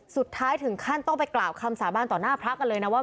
สุดท้ายถึงขั้นต้องไปกล่าวคำสาบานต่อหน้าพระกันเลยนะว่า